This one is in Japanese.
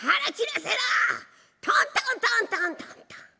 トントントントントントン。